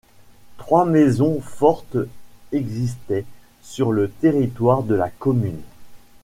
Trois maisons fortes existaient sur le territoire de la commune.